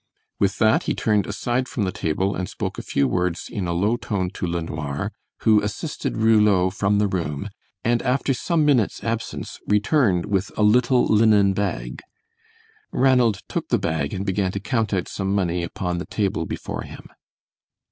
With that he turned aside from the table and spoke a few words in a low tone to LeNoir, who assisted Rouleau from the room, and after some minutes' absence, returned with a little linen bag. Ranald took the bag and began to count out some money upon the table before him.